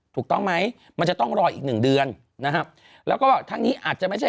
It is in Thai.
ถูกต้องไหมมันจะต้องรออีกหนึ่งเดือนนะครับแล้วก็ทั้งนี้อาจจะไม่ใช่